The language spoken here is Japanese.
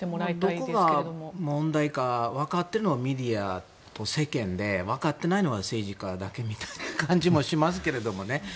どこが問題かわかっているのはメディアと世間でわかっていないのは政治家だけみたいな感じもしますけどね。